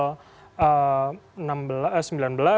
ketika masih pada tanggal